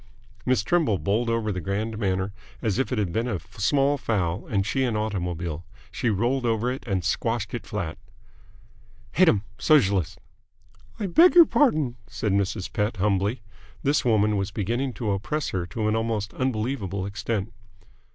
Miss Trimble bowled over the grand manner as if it had been a small fowl and she an automobile. She rolled over it and squashed it flat. "Hate 'em! Sogelist!" "I beg your pardon," said Mrs. Pett humbly. This woman was beginning to oppress her to an almost unbelievable extent.